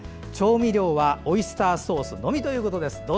調味料はオイスターソースのみということです。